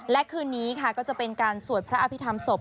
และคืนนี้ค่ะก็จะเป็นการสวดพระอภิษฐรรมศพ